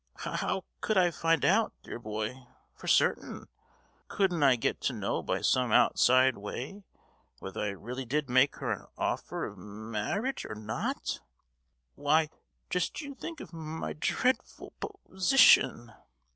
H—how could I find out, dear boy, for certain? Couldn't I get to know by some outside way whether I really did make her an offer of ma—arriage or not? Why, just you think of my dreadful po—sition!"